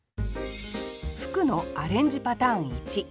「吹く」のアレンジパターン１。